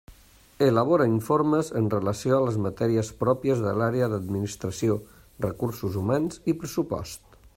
Elabora informes en relació a les matèries pròpies de l'àrea d'Administració, Recursos Humans i pressupost.